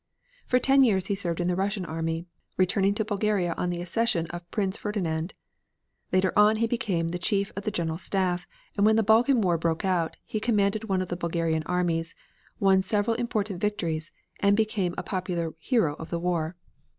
For ten years he served in the Russian army, returning to Bulgaria on the accession of Prince Ferdinand. Later on he became Chief of the General Staff, and when the Balkan war broke out he commanded one of the Bulgarian armies, won several important victories, and became a popular hero of the war.